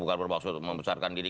bukan bermaksud membesarkan diri